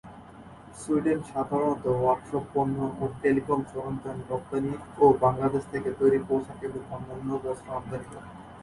Sweden সাধারণত workshop পণ্য ও টেলিকম সরঞ্জাম রপ্তানি ও বাংলাদেশ থেকে তৈরি পোশাক এবং অন্যান্য বস্ত্র আমদানি করে।